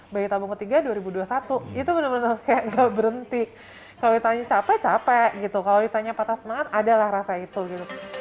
bayi tabung ketiga dua ribu dua puluh satu itu benar benar kayak gak berhenti kalau ditanya capek capek gitu kalau ditanya patah semangat adalah rasa itu gitu